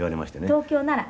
「東京なら」